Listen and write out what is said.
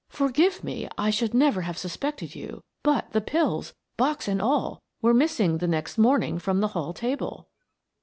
"Forgive me, I should never have suspected you, but the pills, box and all, were missing the next morning from the hall table."